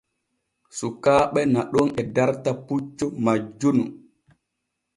Sukaaɓe naɗon e darta puccu majjunu.